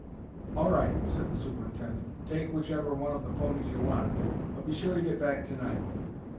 "All right," said the superintendent. "Take whichever one of the ponies you want, but be sure to get back to night."